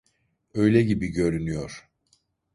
Öyle gibi görünüyor.